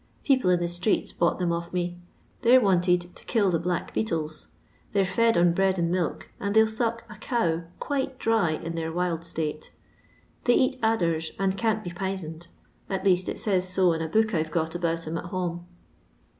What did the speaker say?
People in the streets bought them of me — they 'ra wanted to kill the black beetles; they 're fed on bread and milk, and they 11 sock a cow quite dry in their wild state. They eat adders, and can't be p'isoned, at least it says to in a book I We got about 'em at home.